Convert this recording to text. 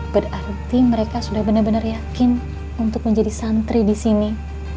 berarti mereka sudah benar benar yakin untuk menjadi santri di sini